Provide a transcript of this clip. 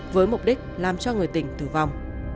với mục đích làm cho người tình tử vong